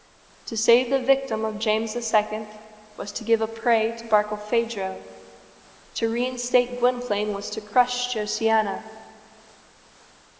To save the victim of James II. was to give a prey to Barkilphedro. To reinstate Gwynplaine was to crush Josiana.